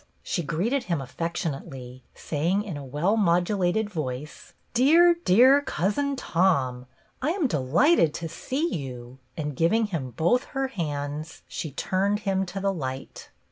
She greeted him affectionately, saying in a well modulated voice, —" Dear, dear Cousin Tom, I am delighted to see you," and, giving him both her hands, she turned him to the light.